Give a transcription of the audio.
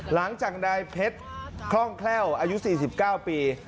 หลังจากนายเพชรคล่องแคล่วอายุ๔๙ปี